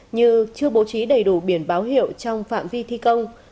như chưa bố trí đầy đủ biển báo hiệu trong phạm vi thi công